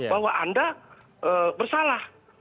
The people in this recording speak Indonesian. bahwa anda bersalah